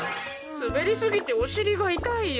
滑りすぎてお尻が痛いよ。